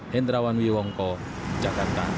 hendrawan wiwongko jakarta